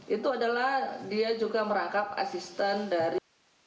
itu adalah dia juga merangkap asisten dari